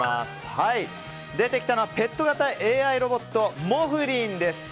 出てきたのはペット型ＡＩロボットＭｏｆｌｉｎです。